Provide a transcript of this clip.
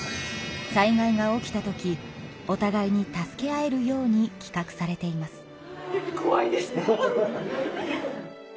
災害が起きた時おたがいに助け合えるようにきかくされています。